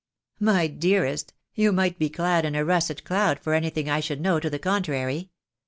"My dearest, you might be clad in a russet cloud for anything I should know to the contrary.